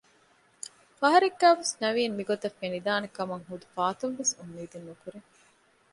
ފަހަރެއްގައިވެސް ނަވީން މިގޮތަށް ފެނިދާނެކަމަށް ޙުދު ފާތުންވެސް އުއްމީދެއް ނުކުރޭ